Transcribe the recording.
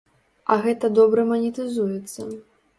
А гэта добра манетызуецца.